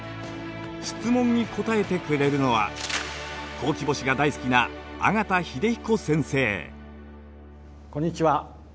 質問に答えてくれるのはほうき星が大好きなこんにちは。